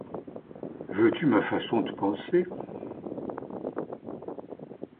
Veux-tu ma façon de penser ?